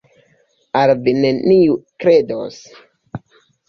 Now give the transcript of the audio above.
Al vi neniu kredos.